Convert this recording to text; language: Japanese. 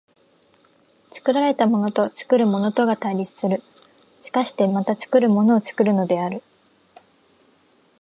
作られたものと作るものとが対立する、しかしてまた作るものを作るのである。